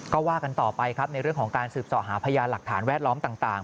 ก็ว่ากันต่อไปครับในเรื่องของการสืบส่อหาพยานหลักฐานแวดล้อมต่าง